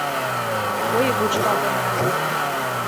我也不知道在哪里